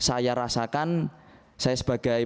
anda merasakan saya sebagai